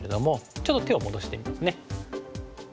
ちょっと手を戻してみますね。